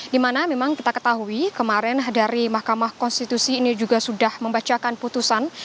dimana memang kita ketahui kemarin dari mahkamah konstitusi ini juga sudah membacakan putusan